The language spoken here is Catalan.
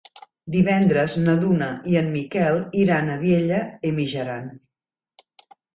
Divendres na Duna i en Miquel iran a Vielha e Mijaran.